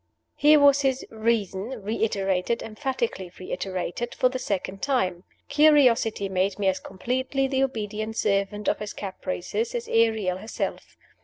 Here was his "reason," reiterated, emphatically reiterated, for the second time! Curiosity made me as completely the obedient servant of his caprices as Ariel herself.